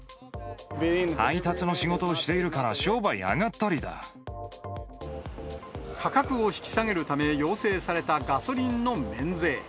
配達の仕事をしているから商価格を引き下げるため、要請されたガソリンの免税。